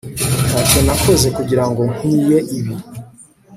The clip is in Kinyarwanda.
ntacyo nakoze kugirango nkwiye ibi